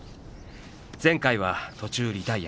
前回は途中リタイア。